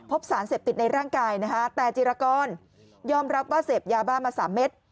สารเสพติดในร่างกายนะคะแต่จิรกรยอมรับว่าเสพยาบ้ามา๓เม็ด